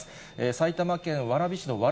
埼玉県蕨市の蕨